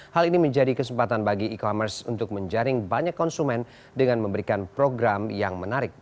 hal ini menjadi kesempatan bagi e commerce untuk menjaring banyak konsumen dengan memberikan program yang menarik